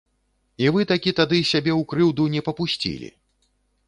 І вы такі тады сябе ў крыўду не папусцілі.